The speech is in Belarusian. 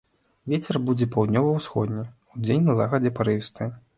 Вецер будзе паўднёва-ўсходні, удзень на захадзе парывісты.